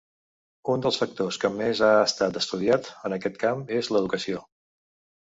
Un dels factors que més ha estat estudiat en aquest camp és l'educació.